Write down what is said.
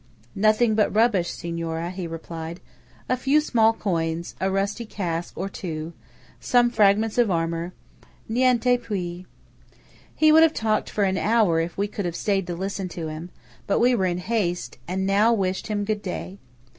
"Nothing but rubbish, Signora," he replied. "A few small coins–a rusty casque or two–some fragments of armour–niente più!" He would have talked on for an hour, if we could have stayed to listen to him; but we were in haste, and now wished him good day.